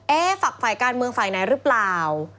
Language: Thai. เอ๊ะฝักฝ่ายการเมืองฝ่ายไหนรึเปล่า